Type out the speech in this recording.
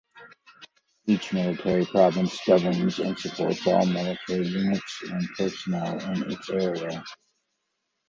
Each military province governs and supports all military units and personnel in its area.